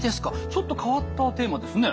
ちょっと変わったテーマですね。